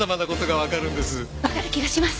わかる気がします。